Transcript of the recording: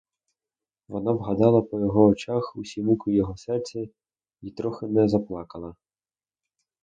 Вона вгадала по його очах усі муки його серця й трохи не заплакала.